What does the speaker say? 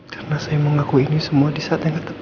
karena saya mau ngaku ini semua di saat yang ketemu